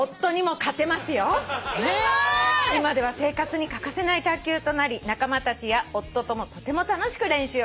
「今では生活に欠かせない卓球となり仲間たちや夫ともとても楽しく練習をしています」